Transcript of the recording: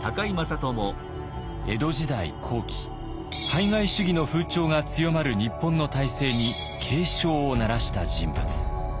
江戸時代後期排外主義の風潮が強まる日本の体制に警鐘を鳴らした人物。